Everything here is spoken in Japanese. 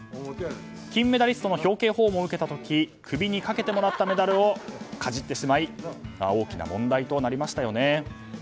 金メダリストの表敬訪問を受けた時に首にかけてもらったメダルをかじってしまい大きな問題となりましたよね。